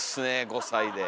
５歳で。